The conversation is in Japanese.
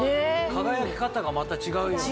輝き方がまた違うよね。